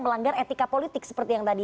melanggar etika politik seperti yang tadi